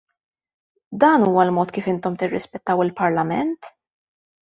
Dan huwa l-mod kif intom tirrispettaw il-Parlament?!